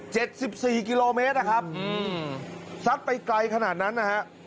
สิบสี่กิโลเมตรนะครับอืมซัดไปไกลขนาดนั้นนะฮะ